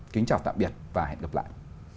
kính chào tạm biệt và hẹn gặp lại